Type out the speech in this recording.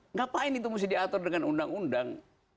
ngapain itu mesti diatur dengan undang undang